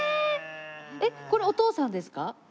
えっこれお父さんですか？